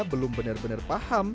belum benar benar paham